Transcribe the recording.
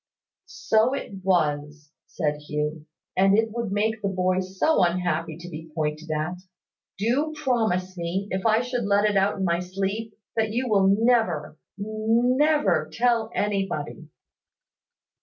"So it was," said Hugh; "and it would make the boy so unhappy to be pointed at! Do promise me, if I should let it out in my sleep, that you will never, never tell anybody."